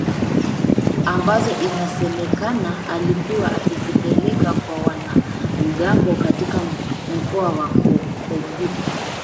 ambazo inasemekana alikuwa akizipeleka kwa wanamgambo katika mkoa wa Kobu